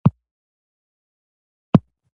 ایا ستاسو یووالي به ټینګ وي؟